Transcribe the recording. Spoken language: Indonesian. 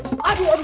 aduh aduh aduh aduh